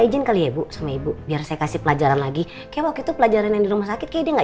izin kali ya bu sama ibu biar saya kasih pelajaran lagi ke waktu pelajaran di rumah sakit kayaknya